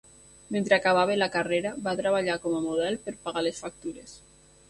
Mentre acabava la carrera, va treballar com a model per pagar les factures.